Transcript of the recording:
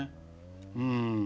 うん。